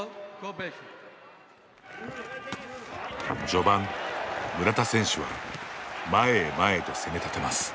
序盤、村田選手は前へ前へと攻め立てます。